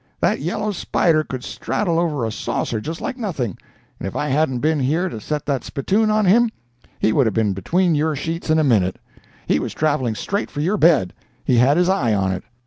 That yellow spider could straddle over a saucer just like nothing—and if I hadn't been here to set that spittoon on him, he would have been between your sheets in a minute—he was traveling straight for your bed—he had his eye on it.